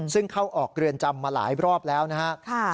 ซึ่งเข้าออกเรือนจำมาหลายรอบแล้วนะครับ